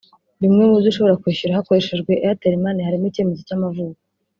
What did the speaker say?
Bimwe mu byo ushobora kwishyura hakoreshejwe Airtel Money harimo icyemezo cy’amavuko